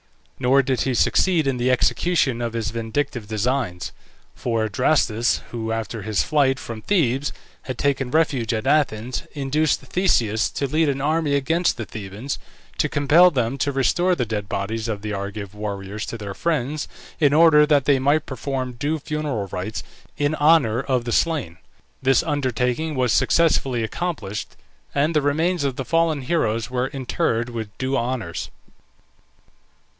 Nor did he succeed in the execution of his vindictive designs; for Adrastus, who, after his flight from Thebes, had taken refuge at Athens, induced Theseus to lead an army against the Thebans, to compel them to restore the dead bodies of the Argive warriors to their friends, in order that they might perform due funereal rites in honour of the slain. This undertaking was successfully accomplished, and the remains of the fallen heroes were interred with due honours.